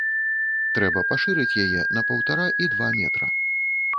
Трэба пашырыць яе на паўтара і два метра.